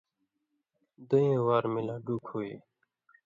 دُویں وار می لا ڈوک ہُویے۔